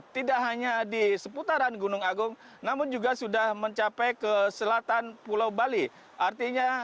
tidak hanya di seputaran gunung agung namun juga sudah mencapai ke selatan pulau bali artinya